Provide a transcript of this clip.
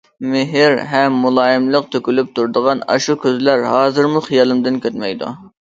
مېھىر ھەم مۇلايىملىق تۆكۈلۈپ تۇرىدىغان ئاشۇ كۆزلەر ھازىرمۇ خىيالىمدىن كەتمەيدۇ.